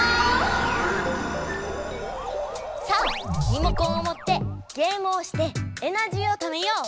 さあリモコンをもってゲームをしてエナジーをためよう！